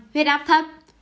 huyết áp thấp